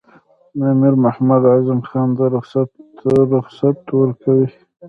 امیر محمد اعظم خان رخصت ورکوي.